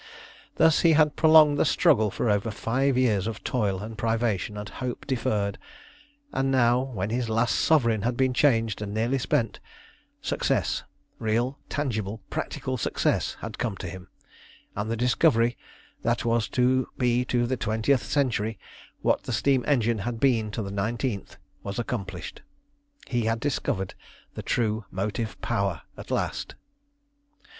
Thus he had prolonged the struggle for over five years of toil and privation and hope deferred, and now, when his last sovereign had been changed and nearly spent, success real, tangible, practical success had come to him, and the discovery that was to be to the twentieth century what the steam engine had been to the nineteenth was accomplished. He had discovered the true motive power at last.